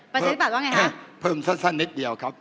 ประเศษภัทรวง่ายฮะเพิ่มสักนิดเดียวครับ